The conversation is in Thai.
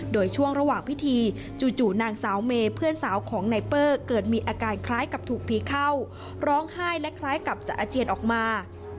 โดยช่วงระหว่างพิธีจู่นางสาวเมเพื่อนสาวของนายเปอร์เกิดมีอาการคล้ายกับถูกผีเข้าร้องไห้และคล้ายกับจะอาเจียนออกมา